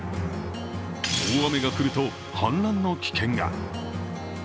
大雨が降ると氾濫の危険が。